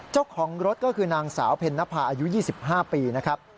เจ้าของรถก็คือนางสาวเพ็ญนภาอายุ๒๕ปีนะครับ